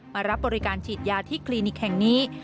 รับบริการฉีดยาที่คลินิกแห่งนี้